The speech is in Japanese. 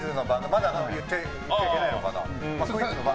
まだ言っちゃいけないのかな。